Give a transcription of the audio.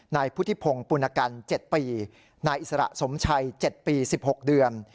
นายพุทธิพงศ์ปุณกัน๗ปีนายอิสระสมชัย๗ปี๑๖เดือน